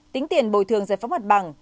tính tiền bồi thường giải phóng hoạt bằng